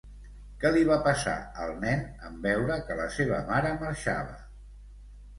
Què li va passar al nen en veure que la seva mare marxava?